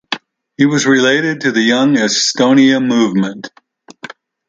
He was related to Young Estonia movement.